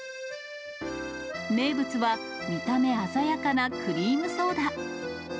名物は、見た目鮮やかなクリームソーダ。